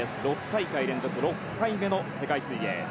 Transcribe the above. ６大会連続、６回目の世界水泳。